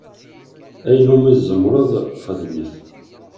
Ayen umi tzemreḍ, xdem-it!